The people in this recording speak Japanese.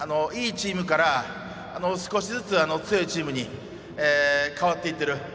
いいチームから少しずつ強いチームに変わっていってる。